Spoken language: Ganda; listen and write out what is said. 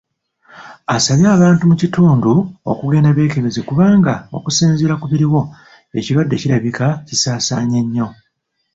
Asabye abantu mu kitundu okugenda beekebeze kubanga okusinziira ku biriwo ekirwadde kirabika kisaasaanye nyo.